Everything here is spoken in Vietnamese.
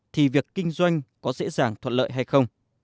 thì việc kinh doanh có dễ dàng thuận lợi hay không